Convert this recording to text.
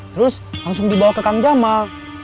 terus langsung dibawa ke kang jamal